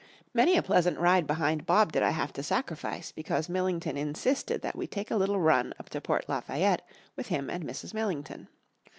Many a pleasant ride behind Bob did I have to sacrifice because Millington insisted that we take a little run up to Port Lafayette with him and Mrs. Millington.